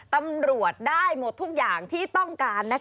ตำรวจได้หมดทุกอย่างที่ต้องการ